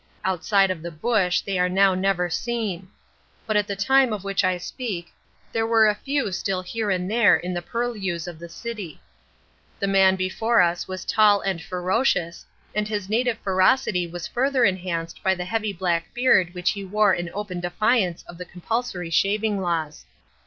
Outside of the bush, they are now never seen. But at the time of which I speak there were a few still here and there in the purlieus of the city. The man before us was tall and ferocious, and his native ferocity was further enhanced by the heavy black beard which he wore in open defiance of the compulsory shaving laws.